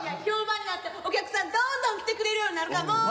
評判になってお客さんどんどん来てくれるようになるかも。